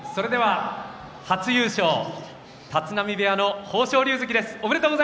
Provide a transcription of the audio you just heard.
初優勝、立浪部屋の豊昇龍関です。